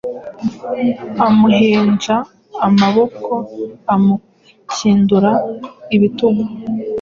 Amuhenja amaboko Amukinduye ibitugu,